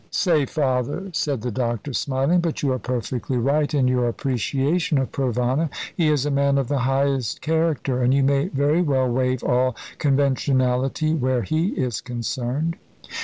"Say father," said the doctor, smiling. "But you are perfectly right in your appreciation of Provana. He is a man of the highest character, and you may very well waive all conventionality where he is concerned."